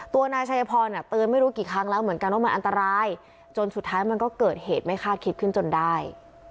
ตัวนายชัยพรเตือนไม่รู้กี่ครั้งแล้วเหมือนกันว่ามันอันตรายจนสุดท้ายมันก็เกิดเหตุไม่คาดคิดขึ้นจนได้